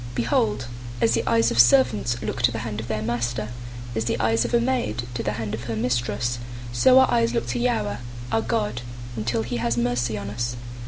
123:002 Behold, as the eyes of servants look to the hand of their master, as the eyes of a maid to the hand of her mistress; so our eyes look to Yahweh, our God, until he has mercy on us.